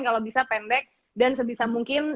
kalau bisa pendek dan sebisa mungkin